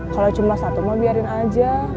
kalau cuma satu mau biarin aja